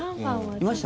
いました？